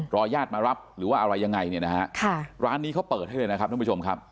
ญาติมารับหรือว่าอะไรยังไงเนี่ยนะฮะค่ะร้านนี้เขาเปิดให้เลยนะครับทุกผู้ชมครับ